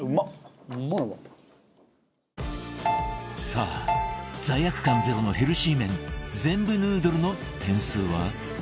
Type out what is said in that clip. さあ罪悪感ゼロのヘルシー麺ゼンブヌードルの点数は